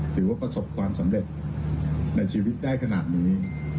ถือว่าประสบความสำเร็จในชีวิตได้ขนาดนี้